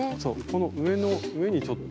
この上の上にちょっと。